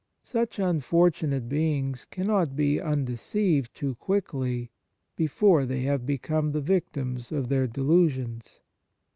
Such unfor tunate beings cannot be undeceived too quickly, before they have become the victims of their delusions.